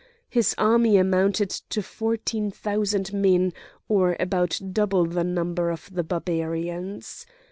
His army amounted to fourteen thousand men, or about double the number of the Barbarians.